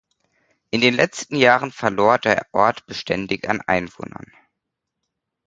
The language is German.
In den letzten Jahren verlor der Ort beständig an Einwohnern.